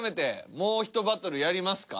もう１バトルやります？